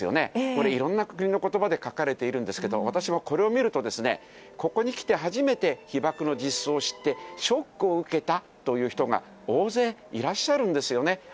これ、いろんな国のことばで書かれているんですけれども、私もこれを見ると、ここに来て初めて、被爆の実相を知って、ショックを受けたという人が大勢いらっしゃるんですよね。